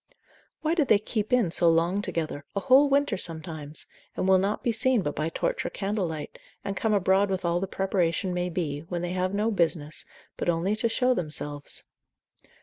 Why do they keep in so long together, a whole winter sometimes, and will not be seen but by torch or candlelight, and come abroad with all the preparation may be, when they have no business, but only to show themselves?